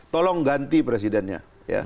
tolong ganti presidennya